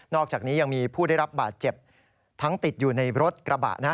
อกจากนี้ยังมีผู้ได้รับบาดเจ็บทั้งติดอยู่ในรถกระบะนะ